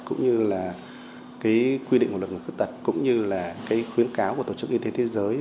cũng như là cái quy định của luật người khuyết tật cũng như là cái khuyến cáo của tổ chức y tế thế giới